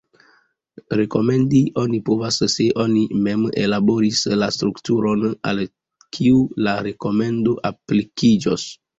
Rekomendi oni povas se oni mem ellaboris la strukturon al kiu la rekomendo aplikiĝos.